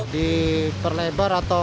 di perlebar atau